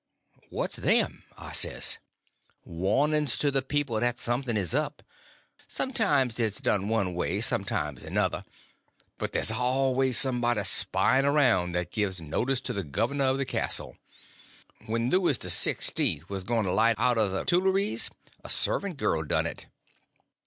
"What's them?" I says. "Warnings to the people that something is up. Sometimes it's done one way, sometimes another. But there's always somebody spying around that gives notice to the governor of the castle. When Louis XVI. was going to light out of the Tooleries, a servant girl done it.